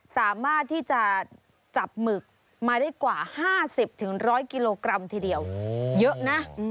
สามารถที่จะจับหมึกมาได้กว่า๕๐๑๐๐กิโลกรัมทีเดียวเยอะนะ